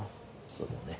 そうだね。